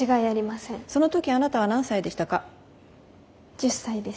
１０歳です。